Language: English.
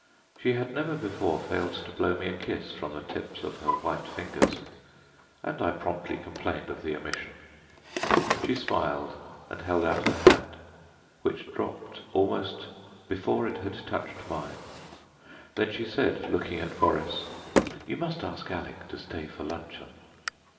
She had never before failed to blow me a kiss from the tips of her white fingers, and I promptly complained of the omission. She smiled and held out her hand, which dropped almost before it had touched mine; then she said, looking at Boris "You must ask Alec to stay for luncheon."